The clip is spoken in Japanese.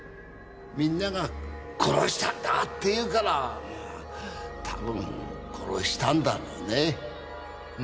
みんなが「殺したんだ」って言うからたぶん殺したんだろうね。